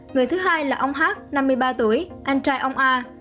người thứ hai là ông h năm mươi ba tuổi anh trai ông a